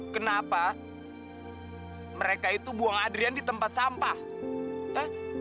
kenapa mereka itu buang adrian di tempat sampah